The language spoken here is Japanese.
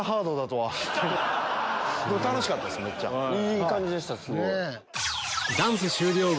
いい感じでしたすごい。